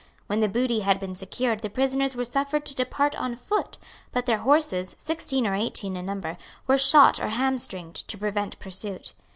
When the booty had been secured the prisoners were suffered to depart on foot; but their horses, sixteen or eighteen in number, were shot or hamstringed, to prevent pursuit.